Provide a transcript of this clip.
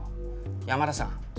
山田さん